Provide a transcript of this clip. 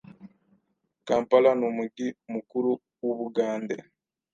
Kampala numugi mukuru wubugande